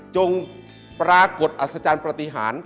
ปรากฏอัศจรรย์ปฏิหาร